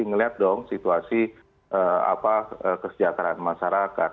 ngelihat dong situasi kesejahteraan masyarakat